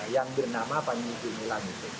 yang bernama panji gumilang